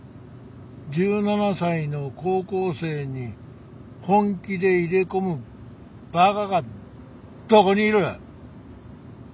１７才の高校生に本気で入れ込むバカがどこにいる！